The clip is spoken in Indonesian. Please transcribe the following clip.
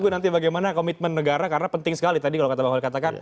nanti bagaimana komitmen negara karena penting sekali tadi kalau kata bang holil katakan